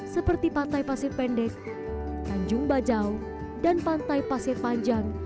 seperti pantai pasir pendek tanjung bajau dan pantai pasir panjang